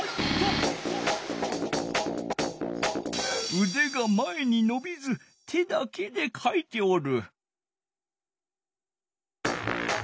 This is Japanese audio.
うでが前にのびず手だけでかいておる。